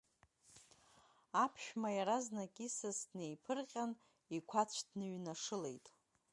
Аԥшәма иаразнак исас днеиԥырҟьан, иқәацә дныҩнашылеит.